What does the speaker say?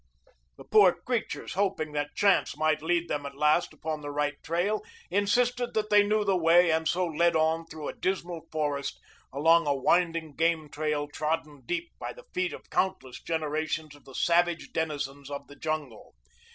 The poor creatures, hoping that chance might lead them at last upon the right trail, insisted that they knew the way and so led on through a dismal forest along a winding game trail trodden deep by the feet of countless generations of the savage denizens of the jungle.